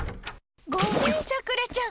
ごめん、さくらちゃん。